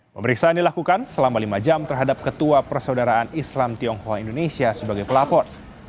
pemeriksaan dilakukan selama lima jam terhadap ketua persaudaraan islam tionghoa indonesia sebagai pelapor